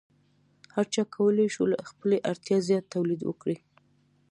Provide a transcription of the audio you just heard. هر چا کولی شو له خپلې اړتیا زیات تولید وکړي.